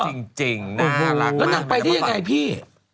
ก็จริงน่ารักมากแล้วนางไปที่ยังไงพี่